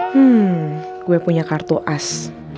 hmm gue punya kartu as